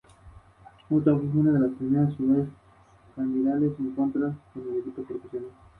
Sin embargo, cuando se reduce, debe hacerse lentamente y con cuidado.